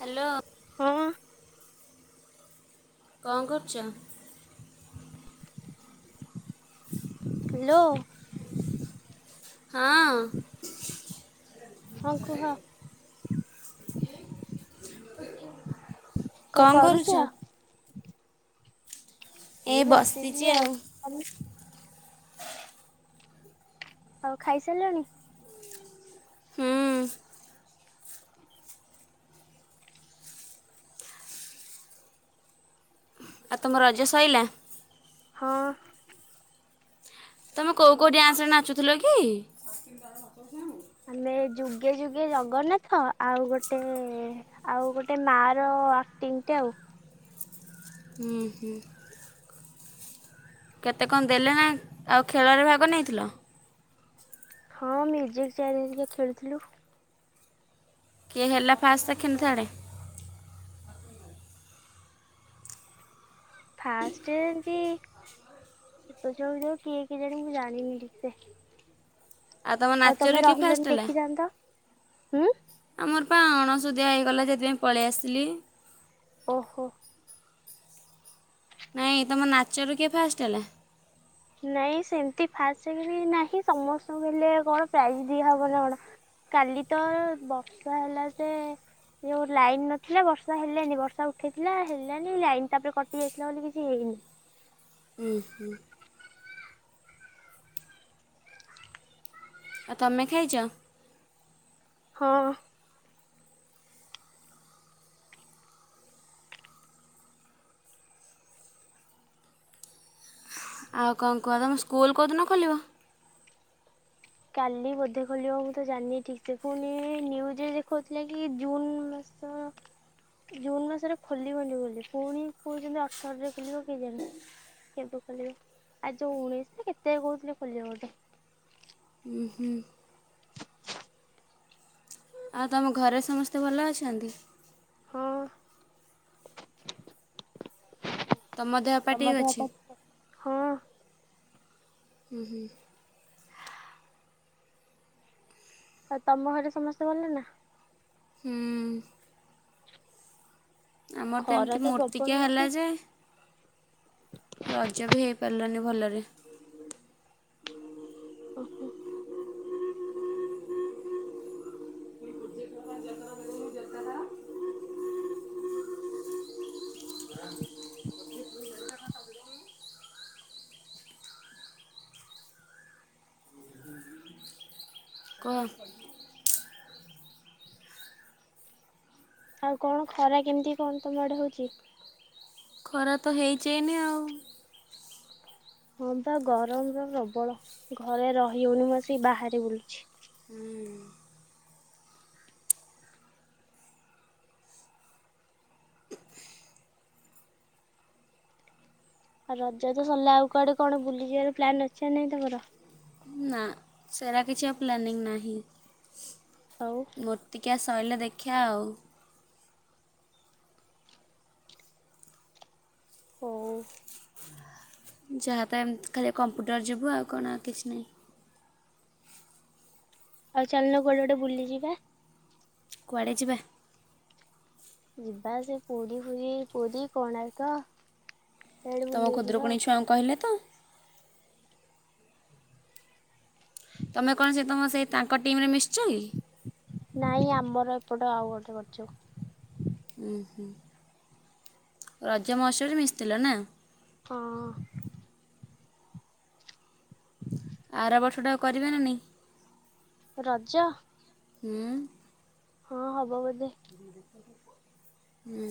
Hello ହଁ। କଙ୍କ କରୁଚ? ହ୍ୟାଲୋ ହଁ। ହଁ କୁହ। [inaudible] କଣ କରୁଛ? ଏ ଏଇ ବସିଛି ବସିଥିଲି ଆଉ ତମେ ଆଉ ଖାଇସାରିଲାଣି। ହୁଁ। ଆଉ ତୁମ ରଜ ସରିଲା। ହଁ। ତମେ କୋଉ କୋଉ ଡ୍ୟାନ୍ସ ରେ ନାଚୁଥିଲ କି? ଆମେ ଯୁଗେ ଯୁଗେ ଜଗନ୍ନାଥ, ଆଉ ଗୋଟେ ଆଉ ଗୋଟେ ମା ର ଆକ୍ଟିଂଟେ ଆଉ। ହୁଁ ହୁଁ। କେତେ କଣ ଦେଲେ ନା, ଆଉ ଖେଳରେ ଭାଗ ନେଇଥିଲ? ହଁ ମ୍ୟୁଜିକ ଚ୍ୟାଲେଞ୍ଜରେ ଖେଳୁଥିଲୁ। କିଏ ହେଲା ଫାଷ୍ଟ, ସେକେଣ୍ଡ, ଥାର୍ଡ଼? ଫାଷ୍ଟ ଏମିତି ଛୋଟ ଛୁଆ ଯେଉଁ କିଏ କେଜାଣି ମୁଁ ଜାଣିନି ଠିକ୍ ସେ। ଆଉ ତମ ତମେ ନାଚରୁ କିଏ ଫାଷ୍ଟ ରହିଲନି ହେଲା? ଦେଖିଥାନ୍ତ ହୁଁ ସୁଧିଆ ହେଇଗଲା ଯେଥିପାଇଁ ପଳେଇ ଆସିଲି। ଓହୋ। ନାଇଁ ତମ ନାଚରୁ କିଏ ଫାଷ୍ଟ ହେଲା? ନାଇଁ ସେମିତି ଫାଷ୍ଟ ସେକନ ନାହିଁ। ସମସ୍ତଙ୍କୁ ହେଲେ କଣ ପ୍ରାଇଜ ଦିଆହବନା କଣ। କାଲି ତ ବର୍ଷା ହେଲା ସେ ଯୋଉ ଲାଇନ ନଥିଲା ବର୍ଷା ହେଲାନି ବର୍ଷା ଉଠେଇଥିଲା ହେଲାନି ଲାଇନ ତାପରେ କଟି ଯାଇଥିଲା ବୋଲି କିଛି ହେଇନି। ଉୁଁ ହୁଁ। ଆଉ ତମେ ଖାଇଛ? ହଁ। ଆଉ କଣ କୁହ? ତମ ସ୍କୁଲ କୋଉଦିନ ଖୋଲିବ? କାଲି ବୋଧେ ଖୋଲିବ। ମୁଁ ତ ଜାଣିନି ଠିକ ସେ ପୁଣି-ଇ-ଇ-ଇ ନିୟୁଜ୍ ରେ ଦେଖାଉଥିଲା କି ଜୁନ ମାସ ଜୁନ ମାସରେ ଖୋଲିବନି ବୋଲି। ପୁଣି କହୁଛନ୍ତି ଅଠରରେ ଖୋଲିବ କେଜାଣି, କେବେ ଖୋଲିବ ଆ ଯେଉଁ ଉଣେଇଶ ନା କେତେ କହୁଥିଲେ ଖୋଲିବ ବୋଧେ। ଉୁ ହୁ। ଆଉ ତମ ଘରେ ସମସ୍ତେ ଭଲ ଅଛନ୍ତି? ହଁ। ତମ ଦେହ ପା ଠିକ୍ ଅଛି? ହଁ। ହୁଁ ହୁଁ। ଆଉ ତମ ଘରେ ସମସ୍ତେ ଭଲ ନା? ଉମ୍। ଆମର ତ ଖରା ଏମିତି ପ୍ରବଳ ମୂର୍ତ୍ତିକ୍ୟା ହଉଛି ହେଲା ଯେ ରଜ ବି ହେଇପାରିଲାନି ଭଲରେ। ଓହୋ। କୁହ ଆଉ କଣ ଖରା କେମିତି କଣ ତମ ଆଡ଼େ ହଉଛି? ଖରା ତ ହେଇଛି ଏୟୀନେ ଆଉ। ହଁବା ଗରମର ପ୍ରବଳ, ଘରେ ରହିହଉନି, ମୁଁ ଆସିକି ବାହାରେ ବୁଲୁଛି। ରଜ ତ ସରିଲା, ଆଉ କୁଆଡ଼େ କଣ ବୁଲିଯିବାର ପ୍ଲାନ୍ ଅଛି ନା ନାଇଁ ତମର? ନା ସେରା କିଛି ଆଉ ପ୍ଲାନିଂ ନାହିଁ। ଆଉ ମୂର୍ତ୍ତିକାସ୍ ସଇଲେ ଦେଖିଆ ଆଉ। ହଉ। ଯାହାତ ଏମିତି ଖାଲି କମ୍ପୁଟର ଯିବୁ ଆଉ କଣ ଆଉ କିଛି ନାହିଁ। ଆଉ ଚାଲୁନ କୁଆଡ଼େ ଗୋଟେ ବୁଲିଯିବା। କୁଆଡ଼େ ଯିବା? ଯିବା ସେ ପୁରୀ ଫୁରୀ ପୁରୀ କୋଣାର୍କ ସିଆଡେ ତମ ବୁଲିକି ଯିବା ଆଉ। ଖୁଦୁରୁକୁଣୀ ଛୁଆଙ୍କୁ କହିଲେ ତ। ତମେ କଣ ସେ ତମ ସେ ତାଙ୍କ ଟିମ୍ ରେ ମିଶିଛ କି? ନାଇଁ ଆମର ଏପଟ ଆଉ ଗୋଟେ କରିଛୁ। ଉଁ ହୁଁ ରଜ ମହୋତ୍ସବ ରେ ମିଶିଥିଲ ନା? ହଁ। [inaudible] ଆର ବର୍ଷଟା ଆଉ କରିବା ନା ନାଇଁ? ରଜ। ହୁଁ। ହଁ ହବ ବୋଧେ। ହୁଁ।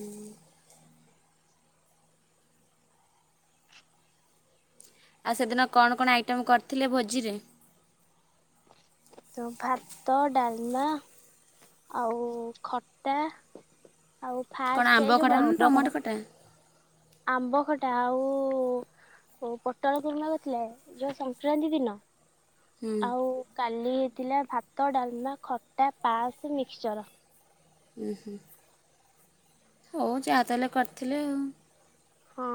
ଆଉ ସେଦିନ କଣ କଣ ଆଇଟମ୍ କରିଥିଲେ ଭୋଜିରେ? ତ ଭାତ ଡାଲମା ଆଉ ଖଟା। ଆଉ ଫାଷ୍ଟ କଣ ଏଇ ଆମ୍ବ ଯୋଉ ମ ଖଟା ନା ଟମାଟ ଖଟା? ଆମ୍ବ ଖଟା ଆଉ ପୋଟଳ କିର୍ମା କରିଥିଲା, ଯୋଉ ସଂକ୍ରାନ୍ତି ଦିନ। ହୁଁ ଆଉ କାଲି ହେଇଥିଲା ଭାତ, ଡାଲମା, ଖଟା, ପାସ୍, ମିକ୍ସଚର। ଉଁ ହୁଁ। ହଉ ଯାହା ତାହେଲେ କରିଥିଲେ ଆଉ। ହଁ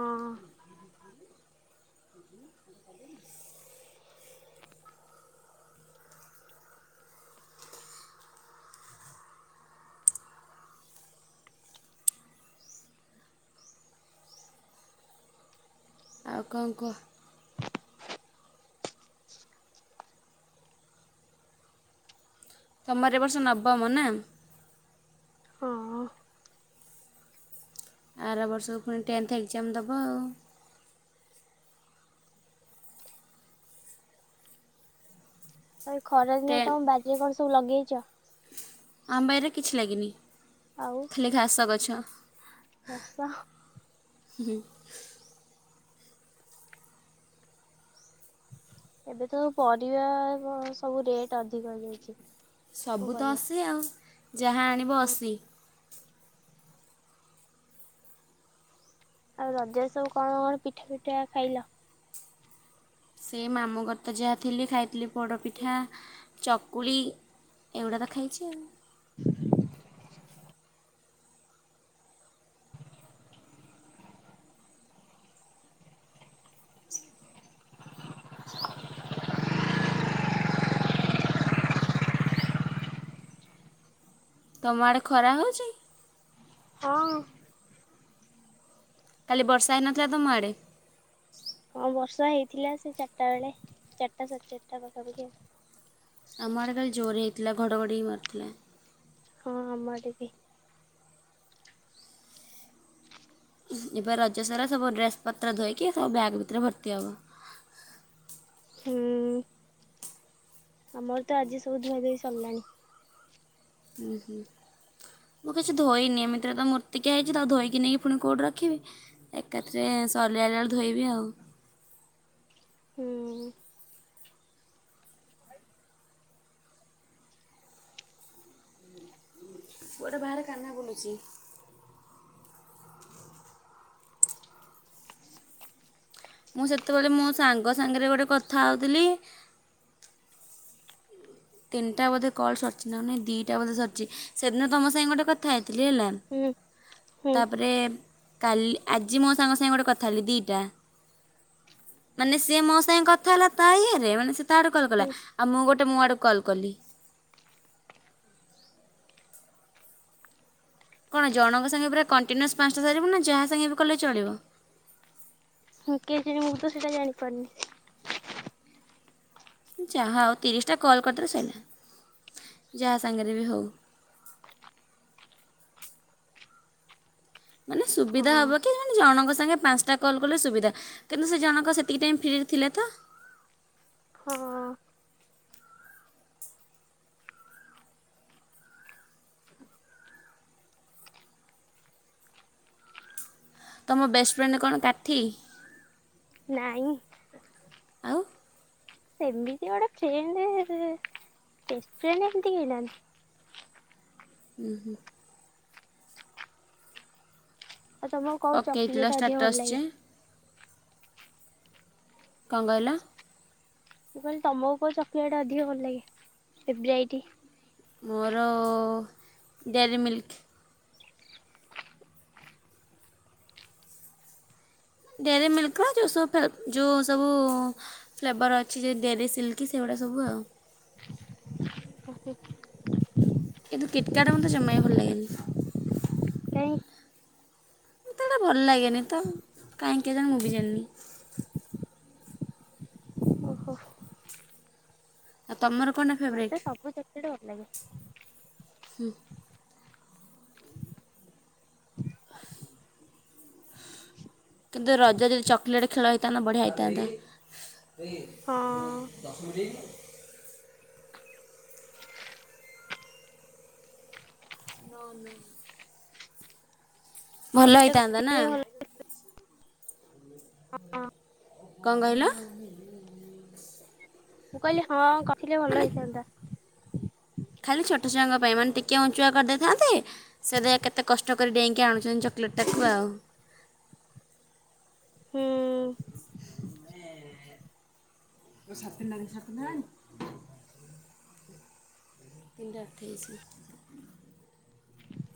ଆଉ କଣ କୁହ? ତମର ଏଇ ବର୍ଷ ନବମ ନା? ହଁ ଆର ବର୍ଷକୁ ପୁଣି ତେନ୍ଥ ଏକ୍ଜାମ ଦବ ଆଉ। ଏଇ ଖରା ଦିନେ ଟେନ୍ ତମ ବାରି ରେ ସ କୁ ଲଗେଚ। ଆମ ବାଇରେ କିଛି ଲାଗିନି। ଆଉ ଖଲି ଘାସ ଗଛ। [unintelligible] ଉଁ ହୁଁ। ଏବେ ତ ପରିବା ସବୁ ରେଟ ଅଧିକ ହେଇ ଯାଇଛି। ସବୁ ତ ଅସି ଆଉ ଯାହା ଆଣିବ ହଁ ଅସି। ଆଉ ରଜରେ ସବୁ କଣ କଣ ପିଠା ଫିଠା ଖାଇଲ? ସେ ମାମୁଁ ଘର ତ ଯାହା ଥିଲି ଖାଇଥିଲି ପୋଡ଼ପିଠା, ଚକୁଳି ଏଗୁଡ଼ା ତ ଖାଇଛି ଆଉ। [inaudible] ତମ ଆଡେ ଖରା ହଉଛି? ହଁ। କାଲି ବର୍ଷା ହେଇନଥିଲା ତ ମାଡ଼େ? ହଁ ବର୍ଷା ହେଇଥିଲା ସେ ଚାରିଟା ବେଳେ ଚାରିଟା ସାଡେ ଚାରିଟା ପାଖାପାଖି ଆ ଆମ ଆଡ଼େ କାଲି ଜୋର ହେଇଥିଲା ଘଡ଼ଘଡ଼ି ହୋଇ ମାରୁଥିଲା। ହଁ ଆମରବି। ଏବେ ରଜ ସାରା ସବୁ ଡ୍ରେସ୍ ପତ୍ର ଧୋଇକି ସବୁ ବ୍ୟାଗ୍ ଭିତରେ ଭର୍ତ୍ତି ହେବ। ହୁଁ। ଆମର ତ ଆଜି ସବୁ ଧୁଆ ଧୁଇ ସରିଲାଣି। ହୁଁ ହୁଁ ମୁଁ କିଛି ଧୋଇନି ଏମିତିରେ ତ ମୂର୍ତ୍ତିକିଆ ହେଇଛି ତକୁ ଧୋଇକି ନେଇକି ପୁଣି କଉଠି ରଖିବି ଏକାଥରେ ସରିଲା ବେଳେ ଧୋଇବି ଆଉ। ହୁଁ। [inaudible] ଗୋଟେ ବାହାରେ କାହ୍ନା ବୁଲୁଛି। ମୁଁ ସେତେବେଳେ ମୋ ସାଙ୍ଗ ସାଙ୍ଗରେ ଗୋଟେ କଥା ହଉଥିଲି ତିନିଟା ବୋଧେ କଲ୍ ସରିଛି ନା ନାଇଁ ଦିଇଟା ବୋଧେ ସରିଛି ସେଦିନ ତମ ସାଙ୍ଗେ ଗୋଟେ କଥା ହେଇଥିଲି ହେଲା ହୁଁ ହୁଁ ତାପରେ କାଲି ଆଜି ମୋ ସାଙ୍ଗ ସାଙ୍ଗେ ଗୋଟେ କଥା ହେଲି ଦିଟା ମାନେ ସିଏ ମୋ ସାଙ୍ଗେ କଥା ହେଲା ତା ଇଏରେ ମାନେ ସେ ତା ଆଡେ କଲ କଲା ଆଉ ମୁଁ ଗୋଟେ ମୋ ଆଡୁ କଲ୍ କଲି। କଣ ଜଣଙ୍କ ସାଙ୍ଗେ ପୁରା କଣ୍ଟିନ୍ୟୁଅସ୍ ପାଞ୍ଚଟା ସାରି ବୁ ନା ଯାହା ସାଙ୍ଗେ ବି କଲେ ଚଳିବ? ହୁଁ କେଯାଣି ମୁଁ ତ ସେଇଟା ଜାଣିପାରୁନି। ଯାହା ଆଉ ତିରିଶଟା କଲ୍ କରିଦେଲେ ସରିଲା ଯାହା ସାଙ୍ଗରେ ବି ହଉ। [inaudible] ମାନେ ସୁବିଧା ହଁ। ହବ କି ମାନେ ଜଣଙ୍କ ସାଙ୍ଗେ ପାଞ୍ଚଟା କଲ କଲେ ସୁବିଧା କିନ୍ତୁ ସେ ଜଣଙ୍କ ସେତିକି ଟାଇ ଫ୍ରିରେ ଥିଲେ ତ। [inaudible] ହଁ ତମ ବେଷ୍ଟଫ୍ରେଣ୍ଡ କଣ କାଠି ନାଇଁ ଆଉ ସେମିତି ଗୋଟେ ଫ୍ରେଣ୍ଡ ରେ ବେଷ୍ଟଫ୍ରେଣ୍ଡ ଏମିତି କେହି ନାହାଁନ୍ତି। ହୁଁ ହୁଁ। ଆଉ ତମକୁ କୋଉ ପକେଇଥିଲ ଚକୋଲେଟ ଅଧିକ ଭଲ ଷ୍ଟାଟସ୍ ଯେ ଲାଗେ? କଣ କହିଲ? ମୁଁ କହିଲି ତମକୁ କୋଉ ଚକୋଲେଟ ଅଧିକ ଭଲ ଲାଗେ ଫେବ୍ରାଇଟ୍ ମୋର ଡେରି ମିଲ୍କ୍। ଡେରି ମିଲ୍କର ଯେଉଁ ସବୁ ଯେଉ ସବୁ ଫ୍ଲେବର ଅଛି ଯେ ଡେରି ସିଲ୍କ ସେଗୁଡ଼ା ସବୁ ଆଉ ଓହୋ କିନ୍ତୁ କିଟକ୍ୟାଟ୍ ମତେ ଜମା ବି ଭଲ ଲାଗେନି। କାହିଁକି ମତେ ଏଟା ଭଲ ଲାଗେନି ତ କାହିଁକି କେଜାଣି ମୁଁ ବି ଜାଣିନି। ଓହୋ ଆଉ ତମର କ'ଣଟା ଫେବରାଇଟ୍ ମତେ ସବୁ ଚକୋଲେଟ ଭଲ ଲାଗେ ହୁଁ। କିନ୍ତୁ ରଜ ଯଦି ଚକୋଲେଟ୍ ଖେଳ ହେଇଥାନ୍ତା ବଢ଼ିଆ ହେଇଥାନ୍ତା। [inaudible] ହଁ ନୋ ନା। ଭଲ ଗୋଟେ ହେଇଥାନ୍ତା ନା? କରିଥିଲେ ଭଲ ହଁ କଣ କହିଲ? ମୁଁ କହିଲି ହଁ କ ରି ଥିଲେ ମାନେ ଭଲ ହେଇଥାନ୍ତା। ଖାଲି ଛୋଟ ଛୁଆଙ୍କ ପାଇଁ ମାନେ ଟିକେ ଉଞ୍ଚୁଆ କରିଦେଇଥାନ୍ତେ ସେଟେ କେତେ କଷ୍ଟ କରି ଡେଇଁକି ଆଣୁଛନ୍ତି ଚକଲେଟ ଟାକୁ ଆଉ। [inaudible] ହୁଁ [inaudible] ତିନିଟା ଅଠେଇସି। [inaudible]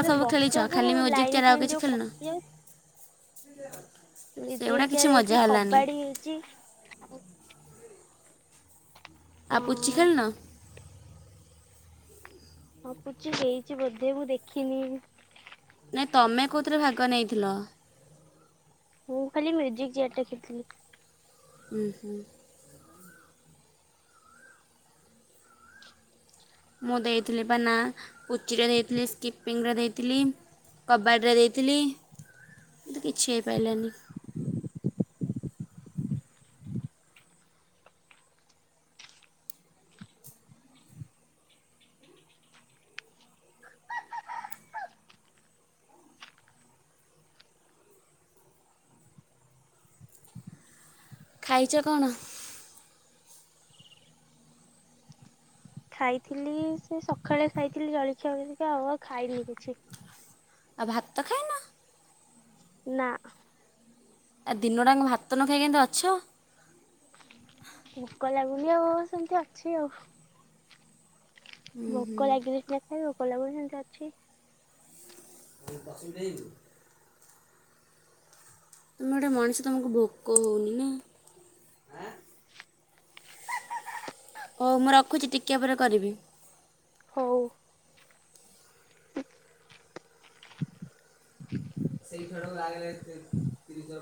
ଏ ବର୍ଷାକୁ ଲାଇନ ଚେୟାର୍ ଆଉ ଫାଇନ୍ କିଛି ଯୋଉ ଖେଳିନ କଟି ଯାଉଛି [inaudible] ସେଗୁଡ଼ା ମ୍ୟୁଜିକ୍ କିଛି ଚେୟାର ମଜା ହେଇଚି ହେଲାନି କବାଡି ହେଇଛି ଆଉ ହଁ ଆଉ ପୁଚି ଖେଳିନ? ହଁ ପୁଚି ହେଇଛି ବୋଧେ ମୁଁ ଦେଖିନି। ନାଇଁ ତମେ କୋଉଥିରେ ଭାଗ ନେଇଥିଲ? ମୁଁ ଖାଲି ମ୍ୟୁଜିକ ଚେୟାର ଟା ଖେଳିଥିଲି। ହୁଁ ହୁଁ। ମୁଁ ଦେଇଥିଲି ବା ନା ପୁଚିରେ ଦେଇଥିଲି ସ୍କିପିଙ୍ଗରେ ଦେଇଥିଲି କବାଡ଼ିରେ ଦେଇଥିଲି ମୁଁ କିଛି ହେଇପାଇଲିନି। ଖାଇଛ କଣ? ଖାଇଥିଲି ସେ ସଖାଳେ ଖାଇଥିଲି ଜଳଖିଆ ହେରିକା ଆଉ ଆଉ ଖାଇନି କିଛି। ଆଉ ଭାତ ଖାଇନ? ନା। ଆ ଦିନଟାଙ୍କ ଭାତ ନ ଖାଇ କେମତି ଅଛ? [inaudible] ଭୋକ ଲାଗୁନି ଆଉ ସେମିତି ଅଛି ଆଉ। ଭୋକ ଲାଗିଲେ ସିନା ଖାଇବ? ଭୋକ ଲାଗୁନି ସେମିତି ଅଛି। [unintelligible] ତମେ ଗୋଟେ ମଣିଷ ତମକୁ ଭୋକ ହଉନି ନା? ହଉ ମୁଁ ରଖୁଛି ଟିକେ ପରେ କରିବି। ହଉ। [unintelligible]